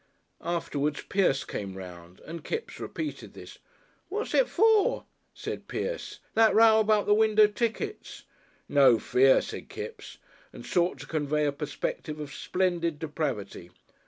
Afterwards Pierce came round and Kipps repeated this. "What's it for?" said Pierce. "That row about the window tickets?" "No fear!" said Kipps and sought to convey a perspective of splendid depravity.